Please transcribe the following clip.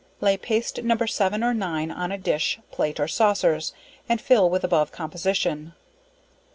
Lay paste No. 7 or 9 on a dish, plate or saucers, and fill with above composition.